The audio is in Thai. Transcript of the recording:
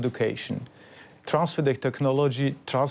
สนับวอสโนหัลสรุปใช้อีกอย่าง